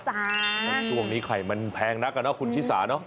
ช่วงนี้ไข่มันแพงนักอะเนาะคุณชิสาเนอะ